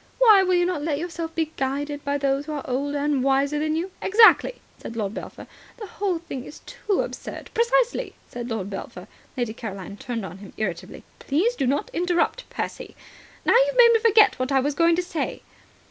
Why will you not let yourself be guided by those who are older and wiser than you?" "Exactly," said Lord Belpher. "The whole thing is too absurd." "Precisely," said Lord Belpher. Lady Caroline turned on him irritably. "Please do not interrupt, Percy. Now, you've made me forget what I was going to say."